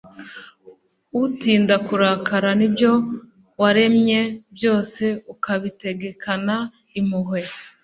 utinda kurakara, n'ibyo waremye byose ukabitegekana impuhwe